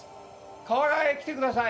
河原へ来てください。